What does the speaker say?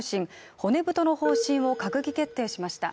骨太の方針を閣議決定しました。